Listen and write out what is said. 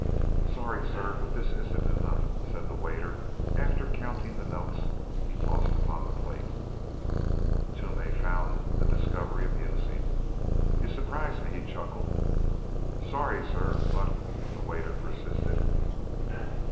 "Sorry, sir, but it isn't enough," said the waiter, after counting the notes he tossed upon the plate. Toomey found the discovery amusing. "You s'prise me," he chuckled. "Sorry, sir, but " the waiter persisted.